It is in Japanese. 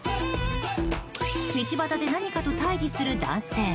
道端で何かと対峙する男性。